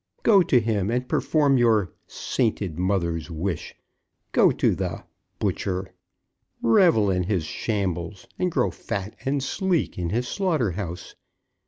"Go to him, and perform your sainted mother's wish! Go to the butcher! Revel in his shambles, and grow fat and sleek in his slaughter house!